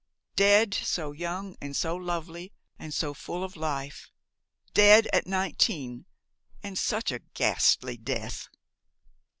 dead so young and so lovely and so full of life! Dead at nineteen and such a ghastly death!"